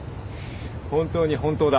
本当に本当だ。